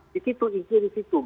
di situ izinnya di situ